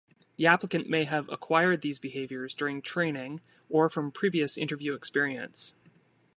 The applicant may have acquired these behaviors during training or from previous interview experience.